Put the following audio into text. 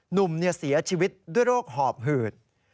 หนุ่มเสียชีวิตด้วยโรคหอบหืด